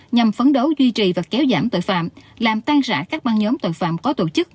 nhằm phấn đấu duy trì và kéo giảm tội phạm làm tan rã các băng nhóm tội phạm có tổ chức